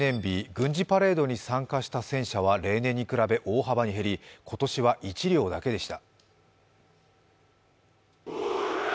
軍事パレードに参加した戦車は例年に比べ大幅に減り、今年は１両だけでした。